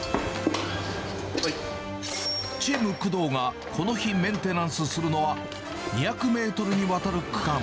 チーム工藤が、この日メンテナンスするのは、２００メートルにわたる区間。